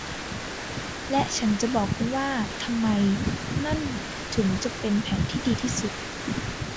และฉันจะบอกคุณว่าทำไมนั่นถึงจะเป็นแผนที่ดีที่สุด